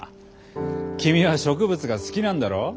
君は植物が好きなんだろう？